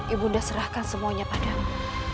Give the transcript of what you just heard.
ibu nda serahkan semuanya padamu